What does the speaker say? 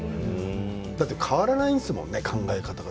だって変わらないんですものね考え方が。